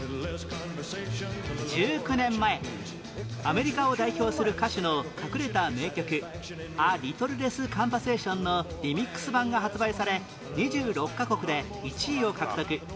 １９年前アメリカを代表する歌手の隠れた名曲『ＡＬｉｔｔｌｅＬｅｓｓＣｏｎｖｅｒｓａｔｉｏｎ』のリミックス版が発売され２６カ国で１位を獲得